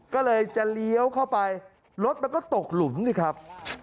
ก็เลยจะเลี้ยวเข้าไปรถมันก็ตกหลุมสิครับ